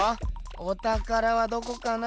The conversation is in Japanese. おたからはどこかな？